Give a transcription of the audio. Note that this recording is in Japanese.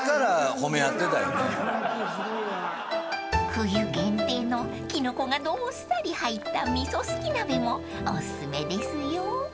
［冬限定のきのこがどっさり入った味噌すき鍋もおすすめですよ］